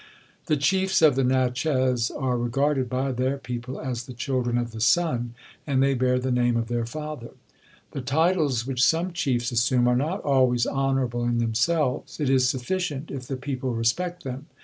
The chiefs of the Natchez are regarded by their people as the children of the sun, and they bear the name of their father. The titles which some chiefs assume are not always honourable in themselves; it is sufficient if the people respect them.